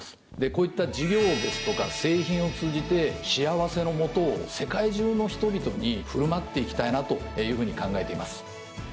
こういった事業ですとか製品を通じて幸せのもとを世界中の人々に振る舞っていきたいなというふうに考えています。